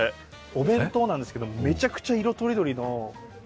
お弁当なんですけどめちゃくちゃ色とりどりのお弁当が並んでますよ。